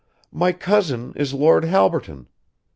My cousin is Lord Halberton.